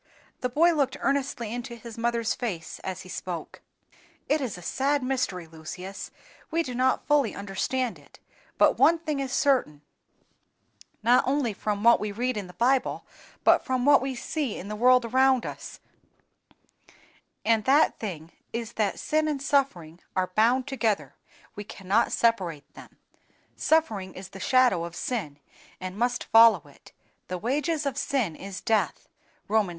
The boy looked earnestly into his mother's face as he spoke. "It is a sad mystery, Lucius; we do not fully understand it; but one thing is certain, not only from what we read in the Bible, but from what we see in the world around us, and that thing is that sin and suffering are bound together, we cannot separate them; suffering is the shadow of sin and must follow it; THE WAGES OF SIN IS DEATH (Rom. vi.